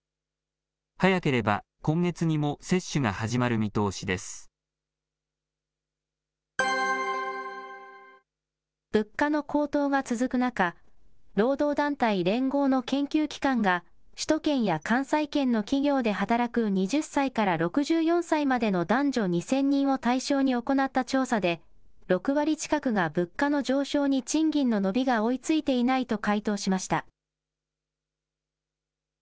早ければ今月にも接種が始まる見物価の高騰が続く中、労働団体、連合の研究機関が、首都圏や関西圏の企業で働く２０歳から６４歳までの男女２０００人を対象に行った調査で、６割近くが物価の上昇に賃金の伸びが追いついていないと回答しました。